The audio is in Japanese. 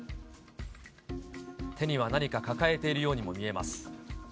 手には何か抱えているようにも見えます。